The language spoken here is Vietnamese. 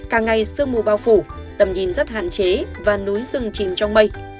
càng ngày sương mù bao phủ tầm nhìn rất hạn chế và núi sừng chìm trong mây